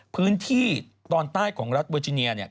พื้นที่ตอนใต้ของรัฐเวอร์จิเนีย